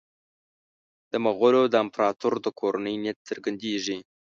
د مغولو د امپراطور د کورنۍ نیت څرګندېږي.